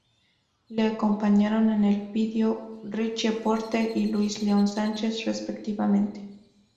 Le acompañaron en el podio Richie Porte y Luis León Sánchez, respectivamente.